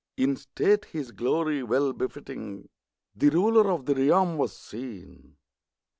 In state his glory well befitting, The ruler of the realm was seen.